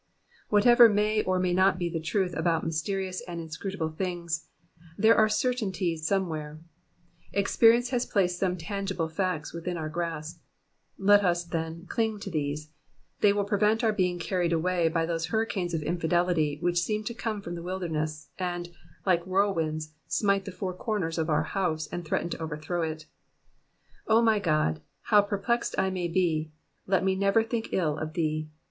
Whatever may or may not be the truth about mysterious and inscrutable things, there are certainties somewhere ; expe rience has placed some tangible facts within our grasp ; let us, then, clinif to these, and they will prevent our being carried away by those hurricnnes of infi delity which still come from the wilderness, and, like whirlwinds, smite the four corners of our house and threaten to overthrow it. O my God, however |)erplexed I may be, let me never think ill of thee.